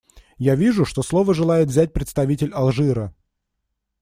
Я вижу, что слово желает взять представитель Алжира.